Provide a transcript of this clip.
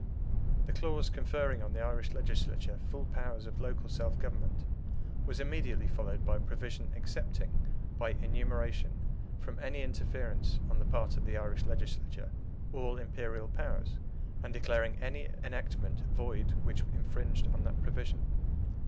The clause conferring on the Irish Legislature full powers of local self government was immediately followed by a provision excepting, by enumeration, from any interference on the part of the Irish Legislature, all Imperial powers, and declaring any enactment void which infringed on that provision.